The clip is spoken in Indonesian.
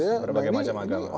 berbagai macam agama